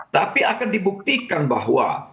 tapi akan dibuktikan bahwa